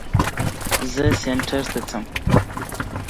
He also made busts of figures from the arts such as Benjamin West.